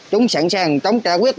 chúng sẵn sàng chống trả quyết